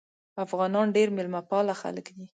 افغانان ډیر میلمه پاله خلک دي.